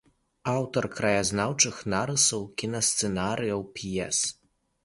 Аўтар краязнаўчых нарысаў, кінасцэнарыяў, п'ес.